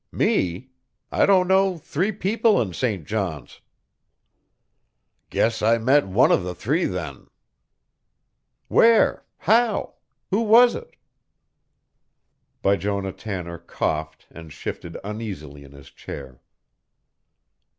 "Me? I don't know three people in St. John's." "Guess I met one of the three, then." "Where? How? Who was it?" Bijonah Tanner coughed and shifted uneasily in his chair.